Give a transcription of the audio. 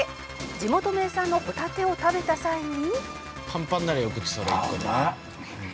「地元名産のホタテを食べた際に」